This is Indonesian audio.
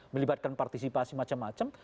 melibatkan partisipasi macam macam